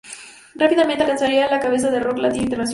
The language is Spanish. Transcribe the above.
Rápidamente alcanzarían la cabeza del Rock Latino Internacional.